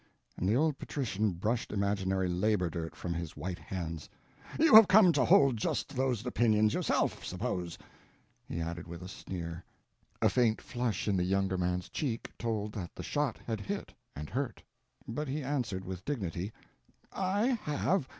—and the old patrician brushed imaginary labor dirt from his white hands. "You have come to hold just those opinions yourself, I suppose,"—he added with a sneer. A faint flush in the younger man's cheek told that the shot had hit and hurt; but he answered with dignity: "I have.